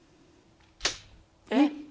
えっ⁉